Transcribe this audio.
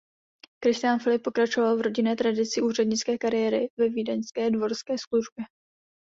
Kristián Filip pokračoval v rodinné tradici úřednické kariéry ve vídeňské dvorské službě.